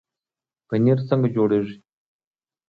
پنیر څنګه جوړیږي؟